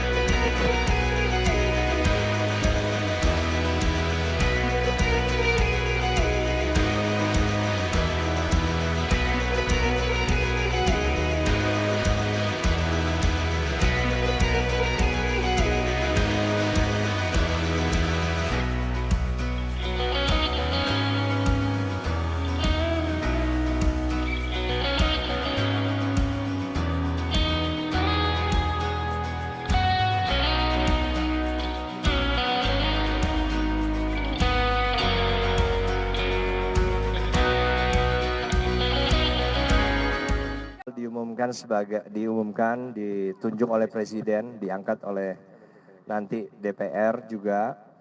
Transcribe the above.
diumumkan sebagai diumumkan ditunjuk oleh presiden diangkat oleh nanti dpr juga